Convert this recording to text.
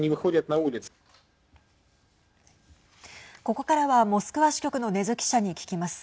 ここからは、モスクワ支局の禰津記者に聞きます。